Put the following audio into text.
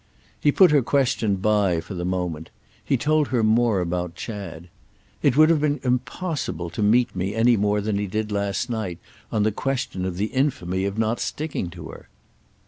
He put her question by for the moment; he told her more about Chad. "It would have been impossible to meet me more than he did last night on the question of the infamy of not sticking to her."